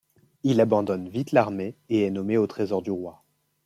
Il abandonne vite l'armée et est nommé au trésor du roi.